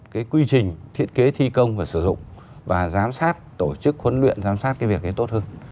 cái quy trình thiết kế thi công và sử dụng và giám sát tổ chức huấn luyện giám sát cái việc ấy tốt hơn